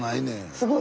すごい！